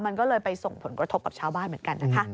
มันก็เลยไปส่งผลกระทบกับชาวบ้านเหมือนกันนะคะ